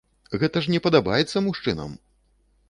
Гэта ж не падабаецца мужчынам!